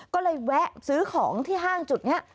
ก็เลยแวะซื้อของที่ห้างจุดนี้